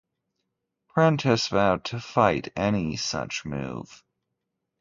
Prentice vowed to fight any such move.